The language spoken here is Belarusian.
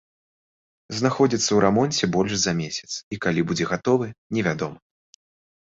Знаходзіцца ў рамонце больш за месяц, і калі будзе гатовы, не вядома.